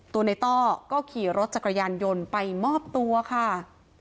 ตัวในต้อก็ขี่รถจักรยานยนต์ไปมอบตัวค่ะ